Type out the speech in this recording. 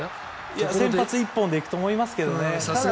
先発一本で行くと思いますけどね。